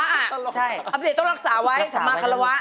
อัปเดตต้องรักษาไว้สาม่าคาราวะ